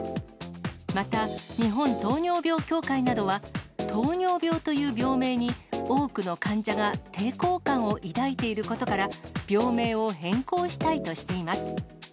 また、日本糖尿病協会などは、糖尿病という病名に、多くの患者が抵抗感を抱いていることから、病名を変更したいとしています。